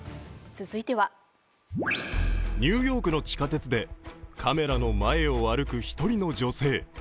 続いてはニューヨークの地下鉄でカメラの前を歩く１人の女性。